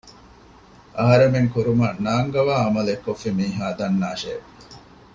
އަހަރެމެން ކުރުމަށް ނާންގަވާ ޢަމަލެއް ކޮށްފި މީހާ ދަންނާށޭ